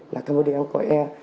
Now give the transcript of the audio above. là campuchia air